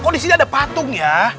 kok di sini ada patung ya